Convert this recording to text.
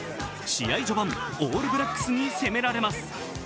試合序盤、オールブラックスに攻められます。